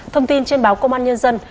thông tin trên báo công an nhân dân